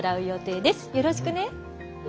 よろしくね。